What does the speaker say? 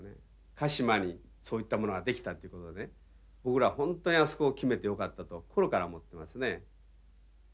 鹿島にそういったものが出来たっていうことで僕らは本当にあそこを決めてよかったと心から思ってますね。